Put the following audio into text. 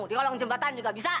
di kolong jembatan juga bisa